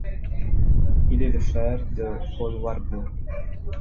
Il est le frère de Paul Warburg.